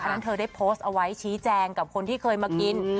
นั้นเธอได้โพสต์เอาไว้ชี้แจงกับคนที่เคยมากิน